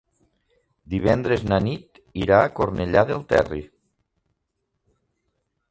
Divendres na Nit irà a Cornellà del Terri.